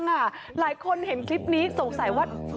หลายคนเห็นคลิปนี้สงสัยว่า